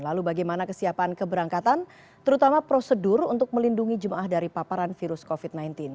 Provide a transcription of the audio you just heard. lalu bagaimana kesiapan keberangkatan terutama prosedur untuk melindungi jemaah dari paparan virus covid sembilan belas